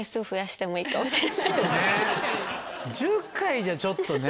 そうね１０回じゃちょっとね。